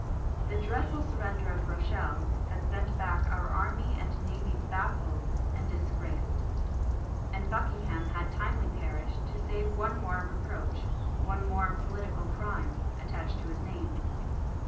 The dreadful surrender of Rochelle had sent back our army and navy baffled and disgraced; and Buckingham had timely perished, to save one more reproach, one more political crime, attached to his name.